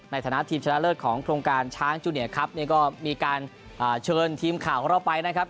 ในฐานะทีมชนะเลิศของโครงการช้างจูเนียครับเนี่ยก็มีการเชิญทีมข่าวของเราไปนะครับ